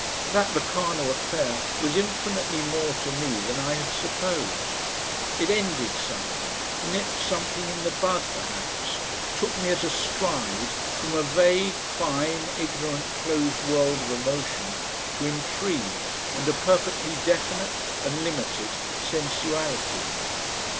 That Locarno affair was infinitely more to me than I had supposed. It ended something nipped something in the bud perhaps took me at a stride from a vague, fine, ignorant, closed world of emotion to intrigue and a perfectly definite and limited sensuality.